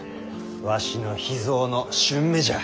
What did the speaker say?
わしの秘蔵の駿馬じゃ。